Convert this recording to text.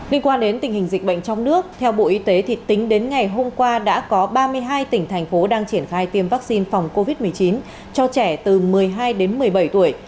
liên quan đến tình hình dịch bệnh trong nước theo bộ y tế thì tính đến ngày hôm qua đã có ba mươi hai tỉnh thành phố đang triển khai tiêm vaccine phòng covid một mươi chín cho trẻ từ một mươi hai đến một mươi bảy tuổi